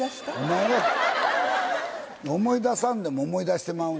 思い出さんでも思い出してまうねん。